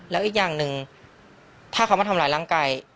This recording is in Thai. แล้วอีกอย่างหนึ่งถ้าเขามาทำร้ายร่างกาย